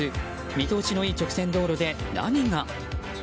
見通しのいい直線道路で何が？